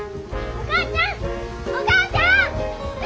お母ちゃん！